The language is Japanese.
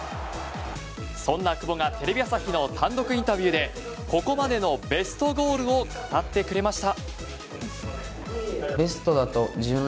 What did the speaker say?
そんな久保がテレビ朝日の単独インタビューでここまでのベストゴールを語ってくれました。